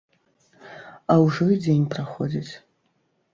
А ўжо і дзень праходзіць.